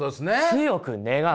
強く願う。